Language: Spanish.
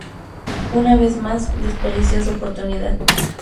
Una vez más, desperdició su oportunidad.